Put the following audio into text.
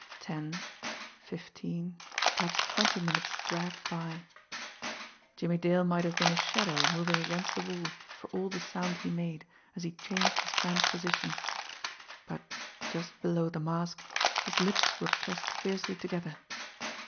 Ten, fifteen, perhaps twenty minutes dragged by. Jimmie Dale might have been a shadow moving against the wall for all the sound he made as he changed his cramped position; but, just below the mask, his lips were pressed fiercely together.